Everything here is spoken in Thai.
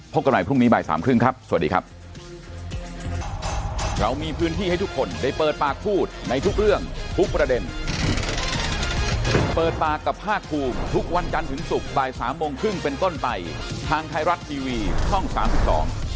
กันใหม่พรุ่งนี้บ่ายสามครึ่งครับสวัสดีครับ